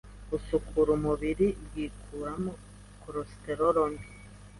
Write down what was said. gusukura umubiri biwukuramo cholesterol mbi.